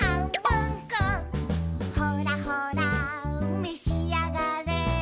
「ほらほらめしあがれ」